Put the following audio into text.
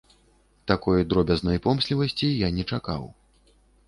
Такой дробязнай помслівасці я не чакаў.